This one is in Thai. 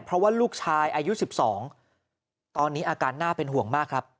เพราะว่าลูกชายอายุ๑๒ตอนนี้อาการน่าเป็นห่วงมากครับ